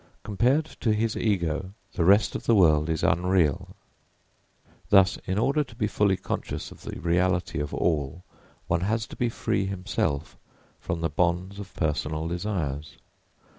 Compared to his ego the rest of the world is unreal. Thus in order to be fully conscious of the reality of all, one has to be free himself from the bonds of personal desires.